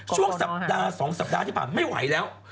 ช่วงสัปดาห์๒สัปดาห์ที่ผ่านมาไม่ไหวแล้ว